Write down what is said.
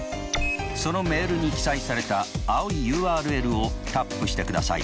そのメールに記載された青いＵＲＬをタップしてください。